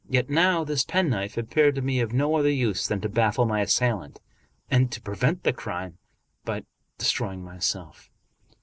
Yet now this pen knife appeared to me of no other use than to baffle my assailant and prevent the crime by destroying myself.